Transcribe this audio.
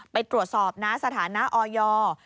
ไปตรวจสอบนะสถานะออยอร์